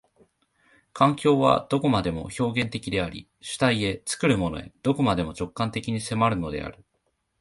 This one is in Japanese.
環境はどこまでも表現的であり、主体へ、作るものへ、どこまでも直観的に迫るのである。